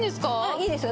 いいですよ。